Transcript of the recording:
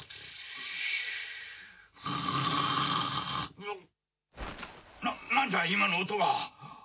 うっ⁉な何じゃ今の音は？